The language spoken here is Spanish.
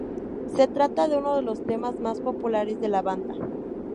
Se trata de uno de los temas más populares de la banda.